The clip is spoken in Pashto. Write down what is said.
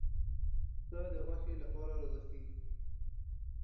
پسه د غوښې لپاره روزل کېږي.